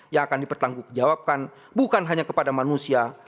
yang akan dipertanggungjawabkan bukan hanya kepada manusia